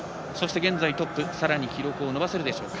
現在トップさらに記録を伸ばせるでしょうか。